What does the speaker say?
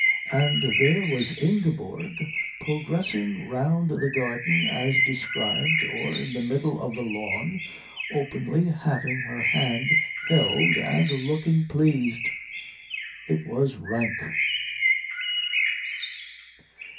And there was Ingeborg progressing round the garden as described, or in the middle of the lawn openly having her hand held, and looking pleased. It was rank.